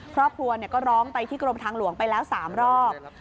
ครอบครัวก็ร้องไปที่กรมทางหลวงไปแล้ว๓รอบ